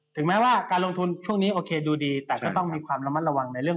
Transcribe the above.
ถึงแม้ว่าการลงทุนช่วงนี้โอเคดูดีแต่ก็ต้องมีความระมัดระวังในเรื่อง